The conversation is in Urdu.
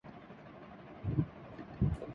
سعودی عرب